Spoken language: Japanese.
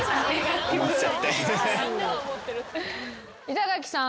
板垣さん